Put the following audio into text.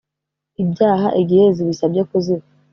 ibyaha igihe zibisabye kuziha